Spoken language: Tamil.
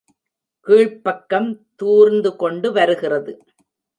கீழ்ப்பக்கம் தூர்ந்துகொண்டு வருகிறது.